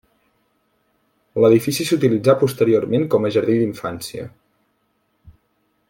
L'edifici s'utilitzà posteriorment com a jardí d'infància.